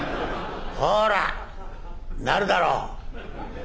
ほらなるだろう？」。